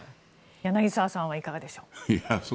柳澤さんはいかがでしょう。